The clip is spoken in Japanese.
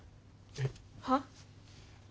えっ？はっ？